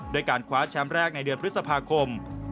ด้วยการคว้าแชมป์แรกในเดือนพฤษภาคม